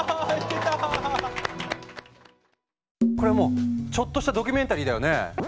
これはもうちょっとしたドキュメンタリーだよね。